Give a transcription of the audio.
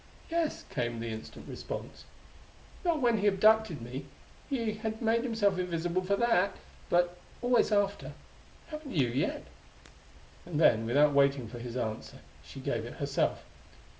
"Yes," came the instant response; "not when he abducted me he had made himself invisible for that but always after. Haven't you yet?" And then, without waiting for his answer, she gave it herself.